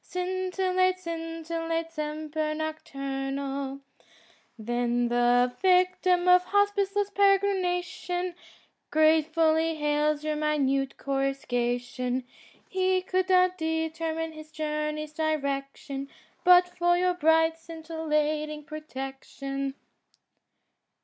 Scintillate, scintillate, semper nocturnal. Saintc Margirie 4T7 Then the yictiin of hospiceless peregrination Gratefully hails your minute coruscation. He could not determine his journey's direction But for your bright scintillating protection.